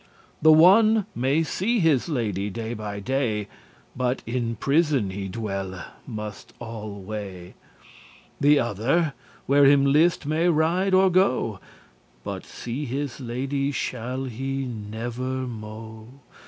The one may see his lady day by day, But in prison he dwelle must alway. The other where him list may ride or go, But see his lady shall he never mo'.